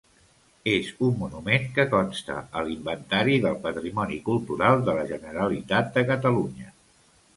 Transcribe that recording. És un monument que consta a l’inventari del patrimoni cultural de la Generalitat de Catalunya.